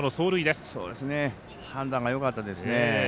判断がよかったですね。